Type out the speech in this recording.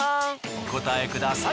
お答えください。